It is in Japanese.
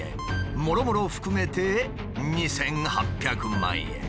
もろもろ含めて２，８００万円。